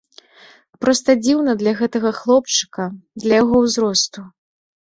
Проста дзіўна для гэтага хлопчыка, для яго ўзросту.